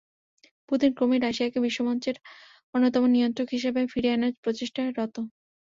Putin ক্রমেই রাশিয়াকে বিশ্বমঞ্চের অন্যতম নিয়ন্ত্রক হিসেবে ফিরিয়ে আনার প্রচেষ্টায় রত।